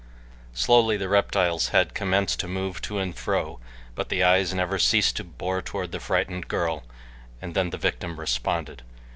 Slowly the reptile's head commenced to move to and fro, but the eyes never ceased to bore toward the frightened girl, and then the victim responded.